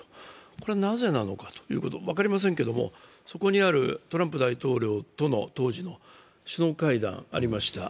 これはなぜなのかということ分かりませんけれども、そこにある当時のトランプ大統領との首脳会談がありました。